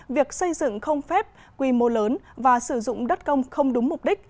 việc xây dựng không phép quy mô lớn và sử dụng đất công không đúng mục đích